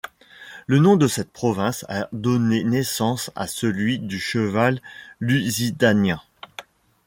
Le nom de cette province a donné naissance à celui du cheval Lusitanien.